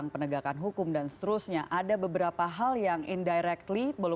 penegakan hukum untuk penjahat penyelamat